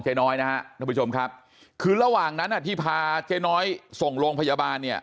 เจน้อยนะครับคือระหว่างนั้นที่พาเจน้อยส่งโรงพยาบาลเนี่ย